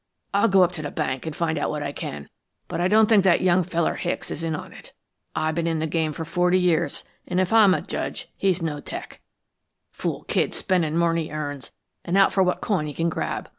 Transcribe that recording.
I'll go up to the bank and find out what I can, but I don't think that young feller, Hicks, is in on it. I've been in the game for forty years, and if I'm a judge, he's no 'tec. Fool kid spendin' more'n he earns and out for what coin he can grab.